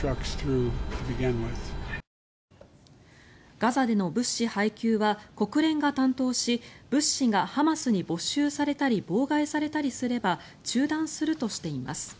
ガザでの物資配給は国連が担当し物資がハマスに没収されたり妨害されたりすれば中断するとしています。